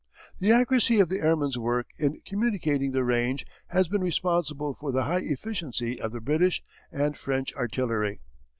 The accuracy of the airman's work in communicating the range has been responsible for the high efficiency of the British and French artillery.